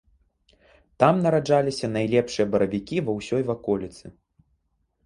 Там нараджаліся найлепшыя баравікі ва ўсёй ваколіцы.